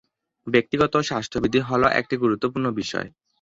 ব্যক্তিগত স্বাস্থ্যবিধি হল একটি গুরুত্বপূর্ণ বিষয়।